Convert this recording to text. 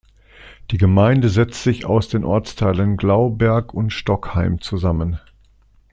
Die Gemeinde setzt sich aus den Ortsteilen Glauberg und Stockheim zusammen.